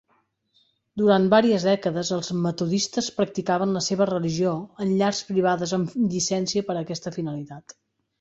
Durant varies dècades, els metodistes practicaven la seva religió en llars privades amb llicència per a aquesta finalitat.